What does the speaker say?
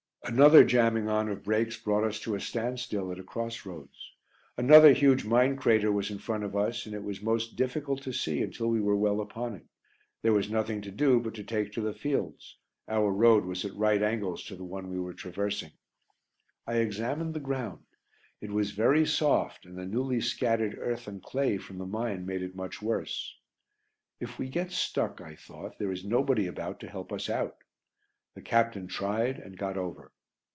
Another jamming on of brakes brought us to a standstill at a cross roads; another huge mine crater was in front of us and it was most difficult to see until we were well upon it. There was nothing to do but to take to the fields our road was at right angles to the one we were traversing. I examined the ground, it was very soft, and the newly scattered earth and clay from the mine made it much worse. "If we get stuck," I thought, "there is nobody about to help us out." The captain tried and got over.